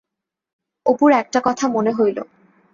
অপুর একটা কথা মনে হইল।